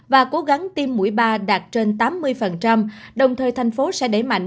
và cố gắng tiêm mũi ba đạt trên tám mươi đồng thời thành phố sẽ đẩy mạnh